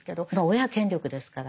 親権力ですから。